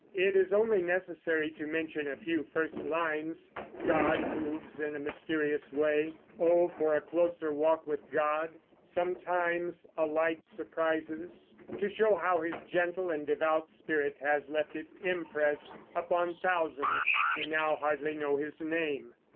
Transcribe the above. It is only necessary to mention a few first lines "God moves in a mysterious way," "Oh, for a closer walk with God," "Sometimes a light surprises" to show how his gentle and devout spirit has left its impress upon thousands who now hardly know his name.